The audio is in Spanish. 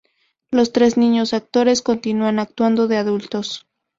Los tres niños actores continuaron actuando de adultos.